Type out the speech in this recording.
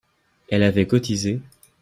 Elle avait cotisé